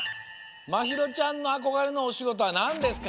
まひろちゃんのあこがれのおしごとはなんですか？